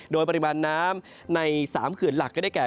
โดยปริมาณน้ำใน๓เขื่อนหลักก็ได้แก่